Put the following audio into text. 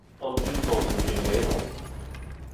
An dud-mañ n'int ket laeron.